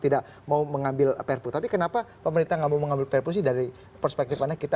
tidak mau mengambil prpu tapi kenapa pemerintah mengambil perpusti dari perspektifannya kita